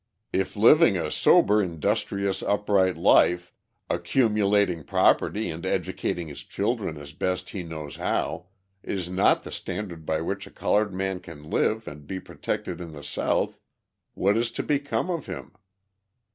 If living a sober, industrious, upright life, accumulating property and educating his children as best he knows how, is not the standard by which a coloured man can live and be protected in the South, what is to become of him?